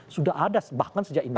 sudah ada bahkan sejak ini